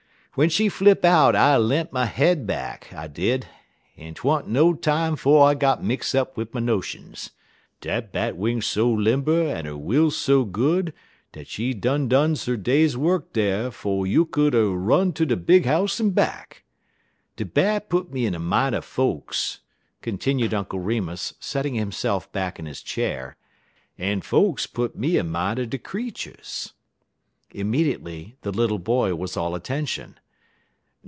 "W'en she flip out I le'nt my head back, I did, en 't wa'n't no time 'fo' I git mix up wid my notions. Dat Bat wings so limber en 'er will so good dat she done done 'er day's work dar 'fo' you could 'er run ter de big house en back. De Bat put me in min' er folks," continued Uncle Remus, settling himself back in his chair, "en folks put me in min' er de creeturs." Immediately the little boy was all attention.